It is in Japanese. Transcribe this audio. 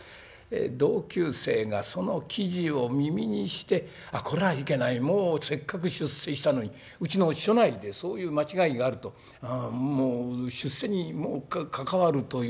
同級生がその記事を耳にしてこれはいけないもうせっかく出世したのにうちの署内でそういう間違いがあると出世に関わるという何しろ